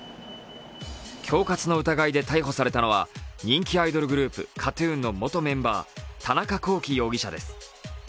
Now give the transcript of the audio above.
恐喝の疑いで逮捕されたのは人気アイドルグループＫＡＴ−ＴＵＮの元メンバー、田中聖容疑者です。